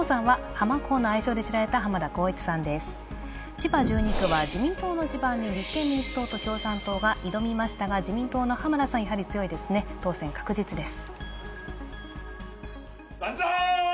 千葉１２区は自民党の地盤で立憲民主党と自民党が挑みましたが自民党の浜田さん、やはり強いですね、当選確実です。